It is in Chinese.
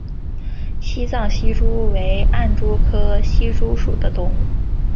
西藏隙蛛为暗蛛科隙蛛属的动物。